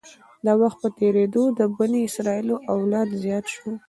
د وخت په تېرېدو د بني اسرایلو اولاد زیات شو.